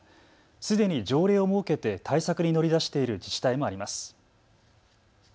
すでに条例を設けて対策に乗り出している自治体もあります。